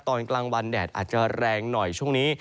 ตอนกลางวันแดดอาจจะแรงหน่อยช่วงนี้